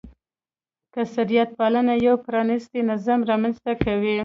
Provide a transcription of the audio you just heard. کثرت پالنه یو پرانیستی نظام رامنځته کوي.